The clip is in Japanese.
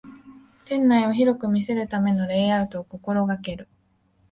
店内を広く見せるためのレイアウトを心がける